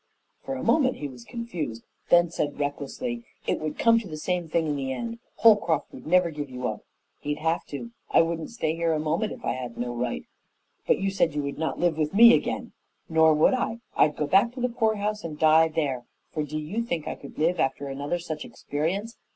For a moment he was confused and then said recklessly, "It would come to the same thing in the end. Holcroft would never give you up." "He'd have to. I wouldn't stay here a moment if I had no right." "But you said you would not live with me again?" "Nor would I. I'd go back to the poorhouse and die there, for do you think I could live after another such experience?